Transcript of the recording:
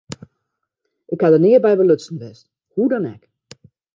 Ik ha der nea by belutsen west, hoe dan ek.